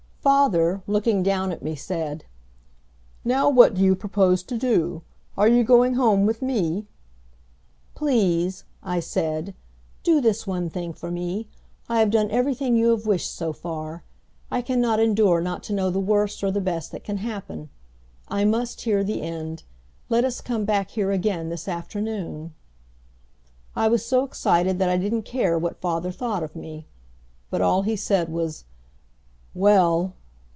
Father, looking down at me, said, "Now what do you propose to do? Are you going home with me?" "Please," I said, "do this one thing for me. I have done everything you have wished so far. I can not endure not to know the worst or the best that can happen. I must hear the end. Let us come back here again this afternoon." I was so excited that I didn't care what father thought of me. But all he said was, "Well!"